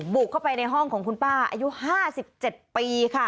บุกเข้าไปในห้องของคุณป้าอายุ๕๗ปีค่ะ